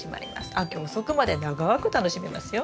秋遅くまで長く楽しめますよ。